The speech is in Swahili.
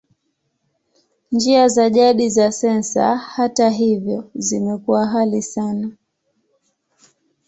Njia za jadi za sensa, hata hivyo, zimekuwa ghali zaidi.